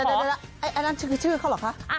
นั่นคือชื่อเขาหรอคะ